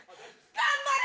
頑張れ！